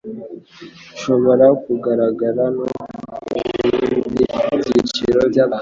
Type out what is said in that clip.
ishobora kugaragara no ku bindi byiciro by'abantu